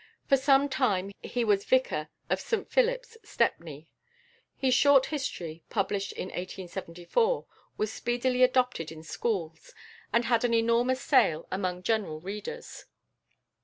For some time he was vicar of St Philip's, Stepney. His "Short History," published in 1874, was speedily adopted in schools, and had an enormous sale among general readers.